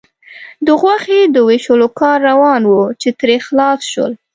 د غوښې د وېشلو کار روان و، چې ترې خلاص شول.